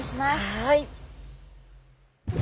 はい。